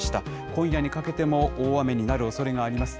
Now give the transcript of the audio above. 今夜にかけても大雨になるおそれがあります。